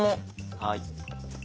はい。